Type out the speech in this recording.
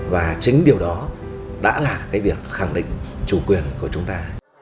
và chính điều đó đã là cái việc khẳng định chủ quyền của chúng ta